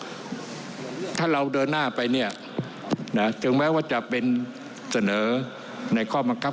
หรือว่าที่๑๖ถ้าเราเดินหน้าไปเนี่ยถึงแม้ว่าจะเป็นเสนอในข้อมันครับ